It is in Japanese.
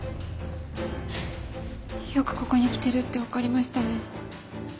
よくここに来てるって分かりましたね。